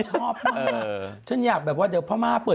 ชอบมากฉันอยากแบบว่าเดี๋ยวพม่าเปิด